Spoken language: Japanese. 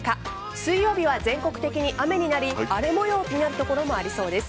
水曜日は全国的に雨になり荒れ模様になる所もありそうです。